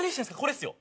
これっすよ。